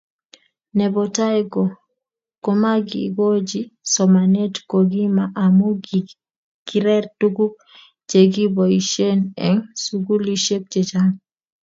nebo tai ko, komagigochi somanet kogima amu kireer tuguk chegiboishen eng sugulishek chechang